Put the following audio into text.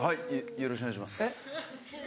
よろしくお願いします。